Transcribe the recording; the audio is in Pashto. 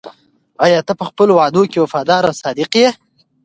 آیا ته په خپلو وعدو کې وفادار او صادق یې؟